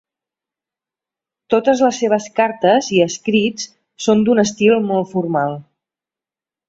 Totes les seves cartes i escrits són d'un estil molt formal.